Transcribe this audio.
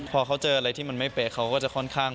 พอเขาเจออะไรที่มันไม่เป๊ะเขาก็จะค่อนข้าง